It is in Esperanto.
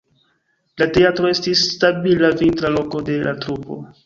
La teatro estis stabila vintra loko de la trupo.